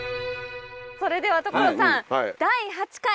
それでは所さん第８回。